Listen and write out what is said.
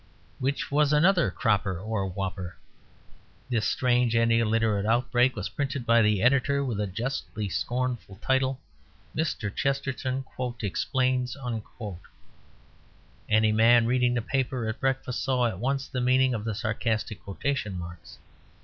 Which was another cropper or whopper. This strange and illiterate outbreak was printed by the editor with the justly scornful title, "Mr. Chesterton 'Explains'?" Any man reading the paper at breakfast saw at once the meaning of the sarcastic quotation marks.